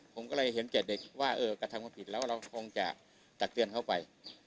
ผมก็เลยเห็นแก่เด็กว่ากระทำความผิดแล้วเราคงจะตักเตือนเขาไป